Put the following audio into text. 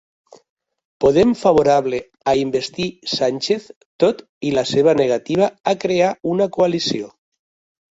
Podem favorable a investir Sánchez tot i la seva negativa a crear una coalició